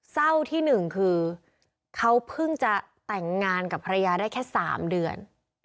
เศร้าที่หนึ่งคือเขาเพิ่งจะแต่งงานกับภรรยาได้แค่๓เดือน